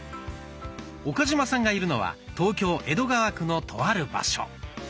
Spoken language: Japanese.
岡嶋さんがいるのは東京・江戸川区のとある場所。